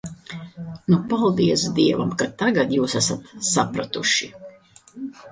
Nu, paldies Dievam, ka tagad jūs esat sapratuši.